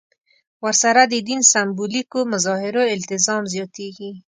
ورسره د دین سېمبولیکو مظاهرو التزام زیاتېږي.